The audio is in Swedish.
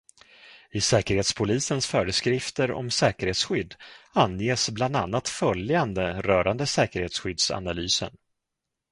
I Säkerhetspolisens föreskrifter om säkerhetsskydd anges bland annat följande rörande säkerhetsskyddsanalysen.